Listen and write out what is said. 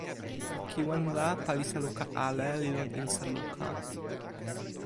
kiwen la, palisa luka ale li lon insa luka.